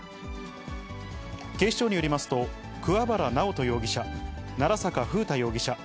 警視庁によりますと、桑原奈央人容疑者、奈良坂楓太